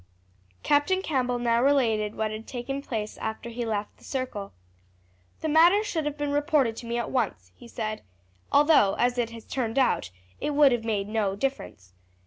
Captain Campbell now related what had taken place after he had left the circle. "The matter should have been reported to me at once," he said; "although, as it has turned out, it would have made no difference.